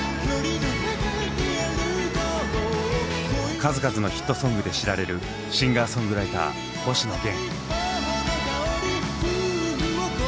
数々のヒットソングで知られるシンガーソングライター星野源。